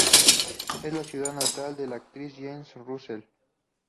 Es la ciudad natal de la actriz Jane Russell.